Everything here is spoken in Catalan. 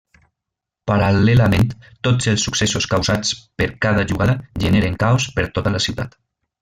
Paral·lelament tots els successos causats per cada jugada generen caos per tota la ciutat.